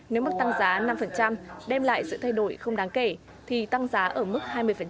nếu mức tăng giá năm đem lại sự thay đổi không đáng kể thì tăng giá ở mức hai mươi